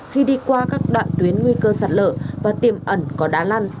khi đi qua các đoạn tuyến nguy cơ sạt lở và tiềm ẩn có đá lăn